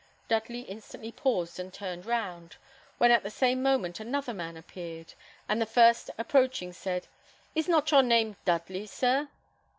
Dudley instantly paused and turned round, when at the same moment another man appeared, and the first approaching said, "Is not your name Dudley, sir?"